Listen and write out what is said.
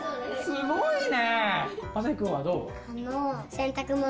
すごいね。